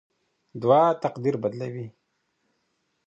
دعا تقدیر بدلوي.